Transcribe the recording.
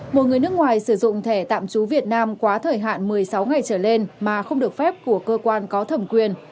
một người nước ngoài sử dụng thẻ tạm trú việt nam quá thời hạn một mươi sáu ngày trở lên mà không được phép của cơ quan có thẩm quyền